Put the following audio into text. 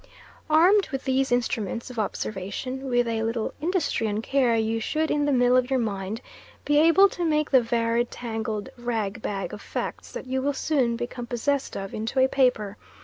Armed with these instruments of observation, with a little industry and care you should in the mill of your mind be able to make the varied tangled rag bag of facts that you will soon become possessed of into a paper.